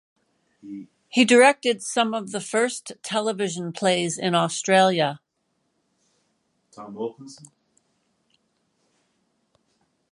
He directed some of the first television plays in Australia.